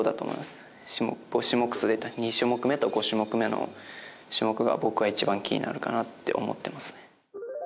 ２種目めと５種目めの種目が僕は一番気になるかなと思ってますね。